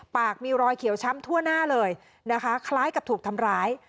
ปากมีรอยเขียวช้ำทั่วหน้าเลยนะคะคล้ายกับถูกทำร้าย